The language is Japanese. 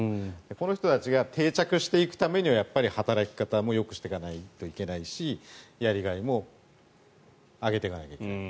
この人たちが定着していくためにはやっぱり働き方もよくしていかないといけないしやりがいも上げていかないといけない。